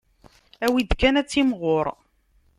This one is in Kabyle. Awi-d kan ad timɣur.